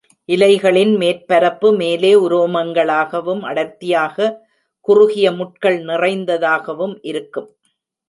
இலைகளின் மேற்பரப்பு மேலே உரோமங்களாகவும், அடர்த்தியாக குறுகிய முட்கள் நிறைந்ததாகவும் இருக்கும்.